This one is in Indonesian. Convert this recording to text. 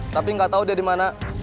tapi nggak tahu dia di mana